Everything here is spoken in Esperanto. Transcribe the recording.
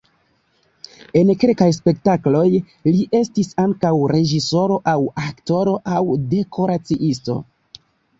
En kelkaj spektakloj li estis ankaŭ reĝisoro aŭ aktoro aŭ dekoraciisto.